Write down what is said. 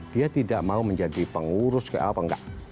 dia tidak mau menjadi pengurus ke apa enggak